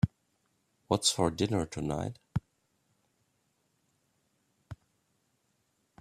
What's for dinner tonight?